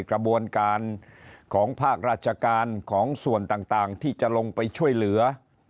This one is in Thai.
กระบวนการของภาคราชการของส่วนต่างที่จะลงไปช่วยเหลือ